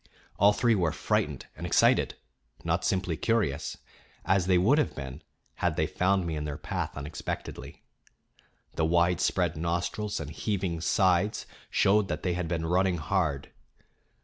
All three were frightened and excited, not simply curious, as they would have been had they found me in their path unexpectedly. The widespread nostrils and heaving sides showed that they had been running hard.